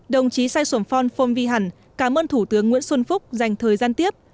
đồng chí saigon phong phong vi hẳn cảm ơn thủ tướng nguyễn xuân phúc dành thời gian tiếp